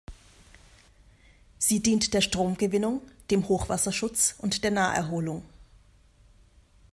Sie dient der Stromgewinnung, dem Hochwasserschutz und der Naherholung.